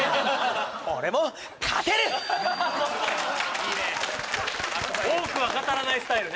・いいね